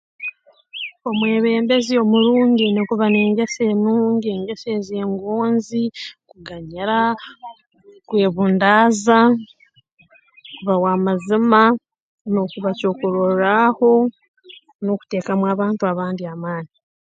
Omwebembezi omurungi aine kuba n'engeso enungi engeso ez'engonzi kuganyira kwebundaaza kuba w'amazima n'okuba kyokurorraaho n'okuteekamu abantu abandi amaani